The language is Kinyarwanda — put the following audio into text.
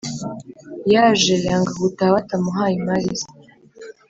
Yaje yanga gutaha batamuhaye imari ze